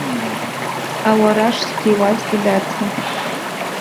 Ауараш зҭиуазгьы дацын.